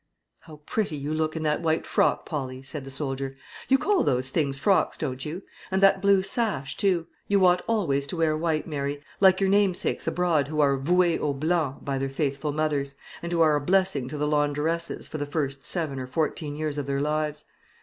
"How pretty you look in that white frock, Polly!" said the soldier; "you call those things frocks, don't you? And that blue sash, too, you ought always to wear white, Mary, like your namesakes abroad who are vouée au blanc by their faithful mothers, and who are a blessing to the laundresses for the first seven or fourteen years of their lives.